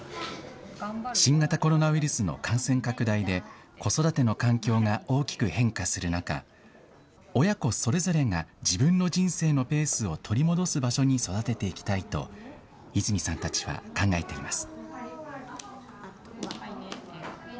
新型コロナウイルスの感染拡大で、子育ての環境が大きく変化する中、親子それぞれが自分の人生のペースを取り戻す場所に育てていきたいと、泉さんたちは考えています。